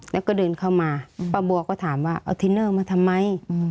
แล้วก็เดินเข้ามาป้าบัวก็ถามว่าเอาทินเนอร์มาทำไม